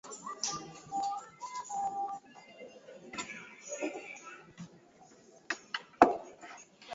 wakati huo tayari serikali ya ufaransa inayoongozwa na rais nicholas sarkozy